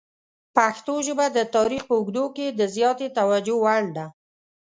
پښتو ژبه د تاریخ په اوږدو کې د زیاتې توجه وړ ده.